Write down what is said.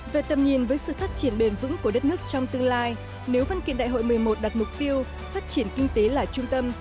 về tầm nhìn với sự phát triển bền vững của đất nước trong tương lai nếu văn kiện đại hội một mươi một đặt mục tiêu phát triển kinh tế là trung tâm